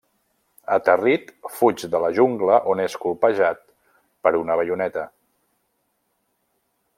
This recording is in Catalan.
Aterrir, fuig a la jungla on és colpejat per una baioneta.